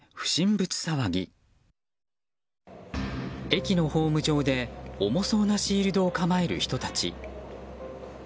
駅のホーム上で重そうなシールドを構える人たち。